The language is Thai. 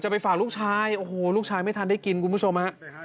ไปฝากลูกชายโอ้โหลูกชายไม่ทันได้กินคุณผู้ชมฮะ